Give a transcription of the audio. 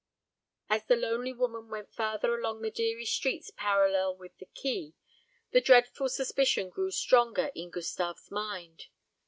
As the lonely woman went farther along the dreary streets parallel with the quay, the dreadful suspicion grew stronger in Gustave's mind.